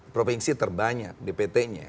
provinsi terbanyak dpt nya